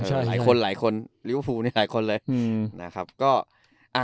ใช่หลายคนหลายคนหลายคนเลยอืมนะครับก็อ่า